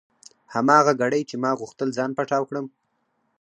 هماغه ګړۍ چې ما غوښتل ځان پټاو کړم.